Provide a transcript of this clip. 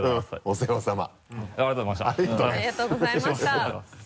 お世話さま。